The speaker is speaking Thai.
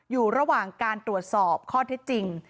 อยู่ระหว่างการตรวจสอบข้อเท็จจริง